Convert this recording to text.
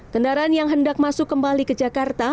kendaraan yang hendak masuk kembali ke jakarta